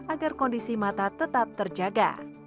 agar kondisi mata tetap terjaga